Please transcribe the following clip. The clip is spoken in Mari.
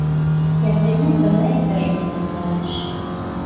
Эрденак гына иктаж-мом пурлалеш.